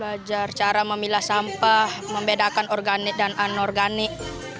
belajar cara memilah sampah membedakan organik dan anorganik